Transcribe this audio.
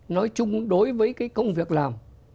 nói chung đối với cái công việc làm